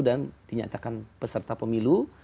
dan dinyatakan peserta pemilu